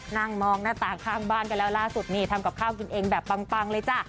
นั่งมองหน้าต่างข้างบ้านกันแล้วล่าสุดนี่ทำกับข้าวกินเองแบบปังเลยจ้ะ